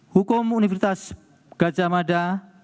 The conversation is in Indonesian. hukum universitas gajah mada